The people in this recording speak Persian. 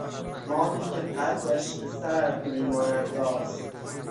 ماهی که قدش به سرو میماند راست